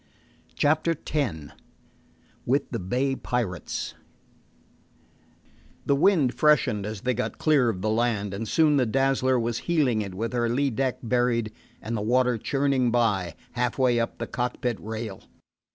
CHAPTER X WITH THE BAY PIRATES The wind freshened as they got clear of the land, and soon the Dazzler was heeling it with her lee deck buried and the water churning by, half way up the cockpit rail.